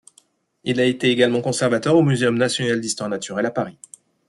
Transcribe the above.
Il a été également conservateur au Muséum national d'histoire naturelle à Paris.